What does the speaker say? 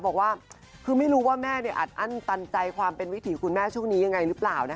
บอกว่าคือไม่รู้ว่าแม่อัดอั้นตันใจความเป็นวิถีคุณแม่ช่วงนี้ยังไงหรือเปล่า